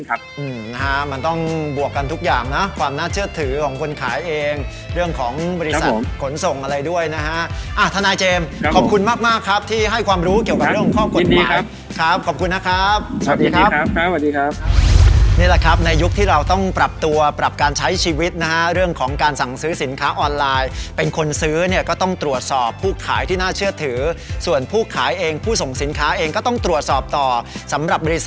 ครับที่ให้ความรู้เกี่ยวกับเรื่องข้องกฎหมายครับขอบคุณนะครับสวัสดีครับครับสวัสดีครับนี่แหละครับในยุคที่เราต้องปรับตัวปรับการใช้ชีวิตนะฮะเรื่องของการสั่งซื้อสินค้าออนไลน์เป็นคนซื้อเนี่ยก็ต้องตรวจสอบผู้ขายที่น่าเชื่อถือส่วนผู้ขายเองผู้ส่งสินค้าเองก็ต้องตรวจสอบต่อสำหรับบริ